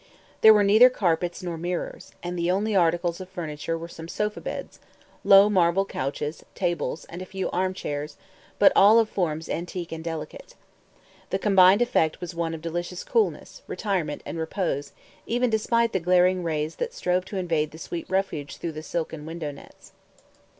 There were neither carpets nor mirrors; and the only articles of furniture were some sofa beds, low marble couches, tables, and a few arm chairs, but all of forms antique and delicate. The combined effect was one of delicious coolness, retirement, and repose, even despite the glaring rays that strove to invade the sweet refuge through the silken window nets.